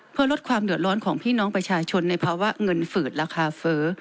เพื่อลดความเดือดร้อนของพี่น้องประชาชนในภาวะเงินฝืดราคาเฟ้อ